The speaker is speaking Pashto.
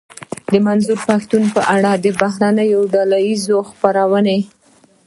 د منظور پښتين په اړه د بهرنيو ډله ايزو خپرونو.